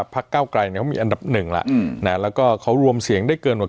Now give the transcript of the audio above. พักเก้าไกลเขามีอันดับหนึ่งแล้วแล้วก็เขารวมเสียงได้เกินหมด